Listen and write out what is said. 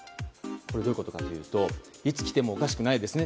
どういうことかというといつきてもおかしくないですね